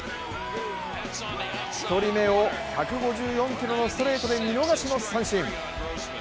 １人目を１５４キロのストレートで見逃しの三振。